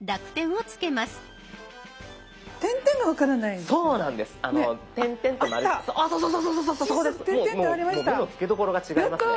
もう目の付けどころが違いますね。